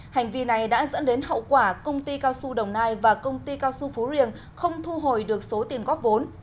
hành vi này đã dẫn đến hậu quả công ty cao su đồng nai và công ty cao su phú riêng không thu hồi được số tiền góp vốn